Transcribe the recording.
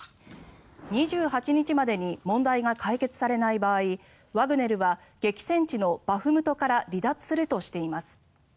２８日までに問題が解決されない場合ワグネルは激戦地のバフムトから離脱するとしています。